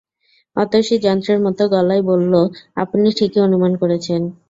অতসী যন্ত্রের মতো গলায় বলল, আপনি ঠিকই অনুমান করেছেন।